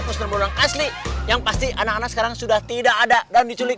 pos sundol bolong asli yang pasti anak anak sekarang sudah tidak ada dan diculik